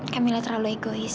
kamila terlalu egois